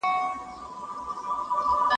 ¬ خراپه ښځه د بل ده.